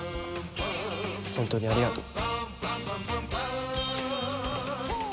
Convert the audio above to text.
本当にありがとう。